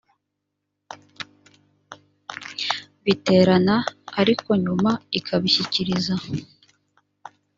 biterana ariko nyuma ikabishyikiriza